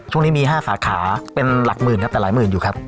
ช่วงนี้มี๕สาขาเป็นหลักหมื่นครับแต่หลายหมื่นอยู่ครับ